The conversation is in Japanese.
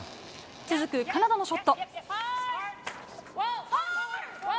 続くカナダのショット。